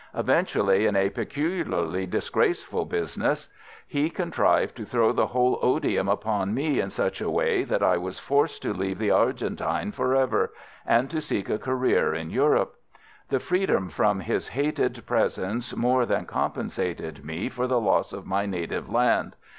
Eventually, in a peculiarly disgraceful business, he contrived to throw the whole odium upon me in such a way that I was forced to leave the Argentine for ever, and to seek a career in Europe. The freedom from his hated presence more than compensated me for the loss of my native land.